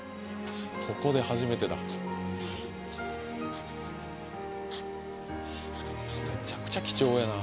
ここで初めてだむちゃくちゃ貴重やな